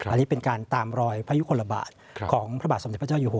อันนี้เป็นการตามรอยพระยุคลบาทของพระบาทสมเด็จพระเจ้าอยู่หัว